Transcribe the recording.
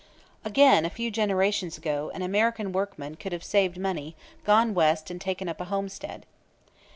Again, a few generations ago an American workman could have saved money, gone West and taken up a homestead.